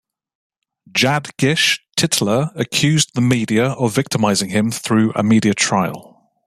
Jadgish Tytler accused the media of victimizing him through a media trial.